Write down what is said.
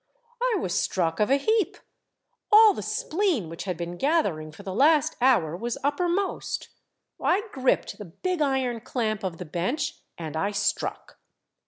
" I was struck of a heap. All the spleen which had been gathering for the last hour was upper most. I gripped the big iron clamp of the bench, and I struck.